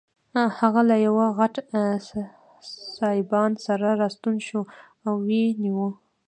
هغه له یوه غټ سایبان سره راستون شو او ویې نیو.